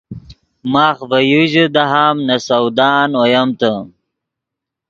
ماخ ڤے یو ژے دہام نے سودان اویمتے